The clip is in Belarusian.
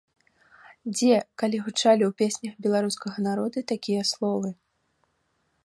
Дзе, калі гучалі ў песнях беларускага народа такія словы?